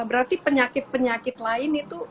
berarti penyakit penyakit lain itu